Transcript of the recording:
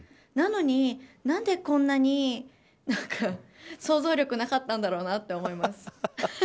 なのに、何でこんなに想像力がなかったんだろうなって思います。